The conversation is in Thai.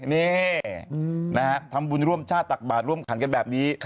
นี่นะฮะทำบุญร่วมชาติตักบาทร่วมขันกันแบบนี้